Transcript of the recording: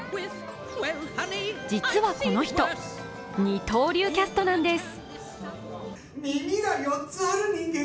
実はこの人、二刀流キャストなんです。